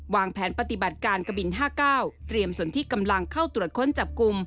แผนปฏิบัติการกบิน๕๙เตรียมส่วนที่กำลังเข้าตรวจค้นจับกลุ่ม